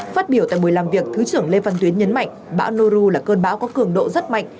phát biểu tại buổi làm việc thứ trưởng lê văn tuyến nhấn mạnh bão noru là cơn bão có cường độ rất mạnh